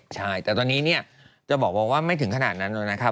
ใช่แต่ตอนนี้เนี่ยจะบอกว่าไม่ถึงขนาดนั้นเลยนะครับ